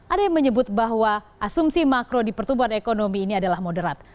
ada yang menyebut bahwa asumsi makro di pertumbuhan ekonomi ini adalah moderat